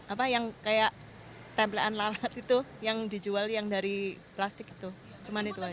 apa yang kayak tempelan lalat itu yang dijual yang dari plastik itu cuma itu aja